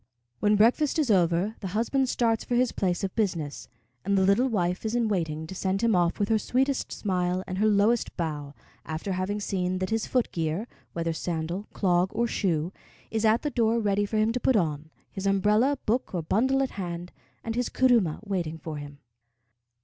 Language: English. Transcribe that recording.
When breakfast is over, the husband starts for his place of business, and the little wife is in waiting to send him off with her sweetest smile and her lowest bow, after having seen that his foot gear whether sandal, clog, or shoe is at the door ready for him to put on, his umbrella, book, or bundle at hand, and his kuruma waiting for him.